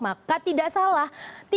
maka tidak salah